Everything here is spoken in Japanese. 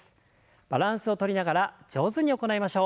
バランスをとりながら上手に行いましょう。